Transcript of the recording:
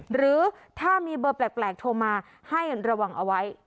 หรือถ้ามีเบอร์แปลกโทรมาให้ระวังเอาไว้